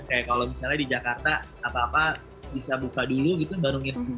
kayak kalau misalnya di jakarta apa apa bisa buka dulu gitu baru ngirim